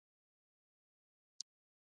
زهره په غیږ کې نیسي ورسره کړي مجلسونه